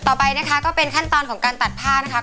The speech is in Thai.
ต่อไปนะคะก็เป็นขั้นตอนของการตัดผ้านะคะ